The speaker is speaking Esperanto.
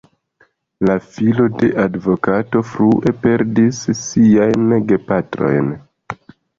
La filo de advokato frue perdis siajn gepatrojn.